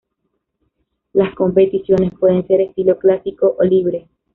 Las competiciones pueden ser estilo clásico o libre.